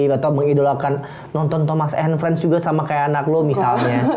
atau mengidolakan nonton thomas and friends juga sama kayak anak lo misalnya